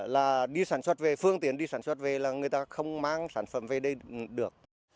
là đi sản xuất về phương tiện đi sản xuất về là người ta không mang sản phẩm về đây được